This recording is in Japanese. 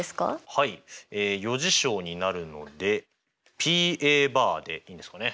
はい余事象になるのでＰでいいんですかね。